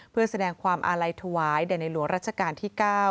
เพื่อแสดงความอาลัยถวายแด่ในหลวงรัชกาลที่๙